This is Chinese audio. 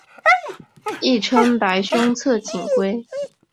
亦称白胸侧颈龟。